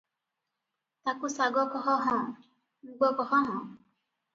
ତାକୁଶାଗ କହ ହଁ, ମୁଗ କହ ହଁ ।